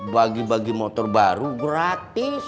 bagi bagi motor baru gratis